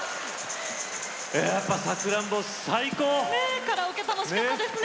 やっぱ「さくらんぼ」最高！カラオケ楽しかったですね。